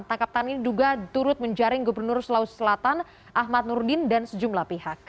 tangkap tangan ini diduga turut menjaring gubernur sulawesi selatan ahmad nurdin dan sejumlah pihak